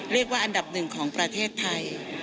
เรียกว่าอันดับ๑ของประเทศไทย